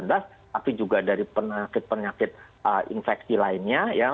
tapi juga dari penyakit penyakit infeksi lainnya ya